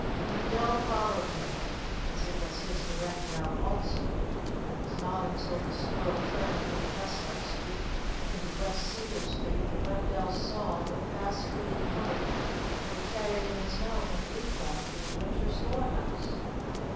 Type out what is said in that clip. Wendell followed him, as it was his direct route also; but it was not until the squirrel turned from Chestnut Street into West Cedar Street that Wendell saw with fast beating heart that he carried in his mouth an acorn for his winter storehouse.